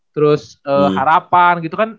terus harapan gitu kan